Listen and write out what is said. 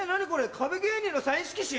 壁芸人のサイン色紙？